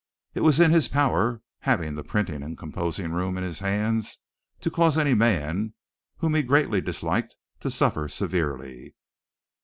It was in his power, having the printing and composing room in his hands, to cause any man whom he greatly disliked to suffer severely.